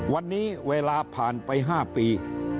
วันนี้เวลาผ่านไป๕ปี